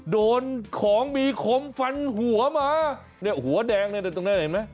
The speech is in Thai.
โดนของมีคมฟันหัวมาเนี่ยหัวแดงเนี่ยตรงนั้นเห็นไหม